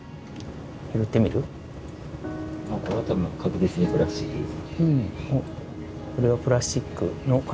これはたぶん確実にプラスチックですね。